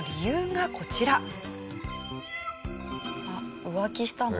あっ浮気したの？